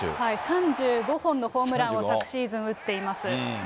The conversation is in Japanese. ３５本のホームランを昨シーズン、打っています。